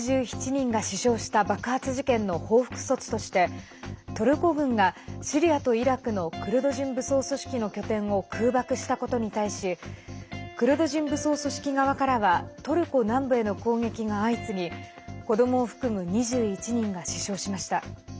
８７人が死傷した爆発事件の報復措置としてトルコ軍が、シリアとイラクのクルド人武装組織の拠点を空爆したことに対しクルド人武装組織側からはトルコ南部への攻撃が相次ぎ子どもを含む２１人が死傷しました。